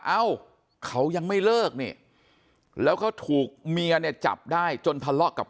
เอ้าเขายังไม่เลิกนี่แล้วเขาถูกเมียเนี่ยจับได้จนทะเลาะกับ